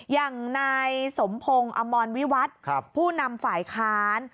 อย่างนายสมพงศ์อมรวิวัตรผู้นำฝ่ายค้าน